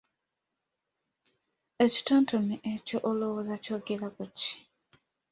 Ekitontome ekyo olowooza kyogera ku ki?